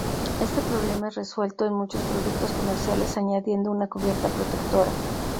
Este problema es resuelto en muchos productos comerciales añadiendo una cubierta protectora.